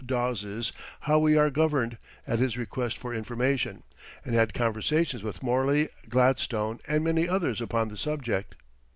Dawes's "How We Are Governed," at his request for information, and had conversations with Morley, Gladstone, and many others upon the subject.